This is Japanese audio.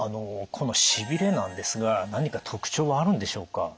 このしびれなんですが何か特徴はあるんでしょうか？